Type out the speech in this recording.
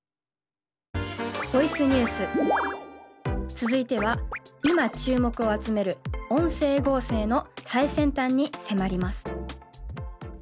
続いては今注目を集める音声合成の最先端に迫ります。